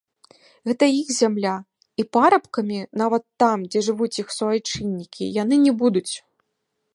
Гэта іх зямля, і парабкамі, нават там, дзе жывуць іх суайчыннікі, яны не будуць.